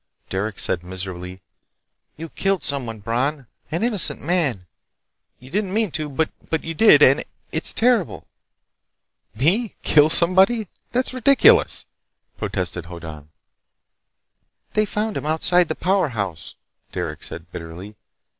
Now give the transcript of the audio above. Derec said miserably: "You killed someone, Bron. An innocent man! You didn't mean to, but you did, and ... it's terrible!" "Me kill somebody? That's ridiculous!" protested Hoddan. "They found him outside the powerhouse," said Derec bitterly.